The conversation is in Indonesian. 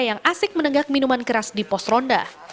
yang asik menenggak minuman keras di pos ronda